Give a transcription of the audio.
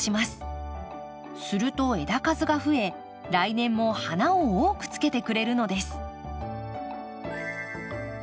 すると枝数が増え来年も花を多くつけてくれるのです。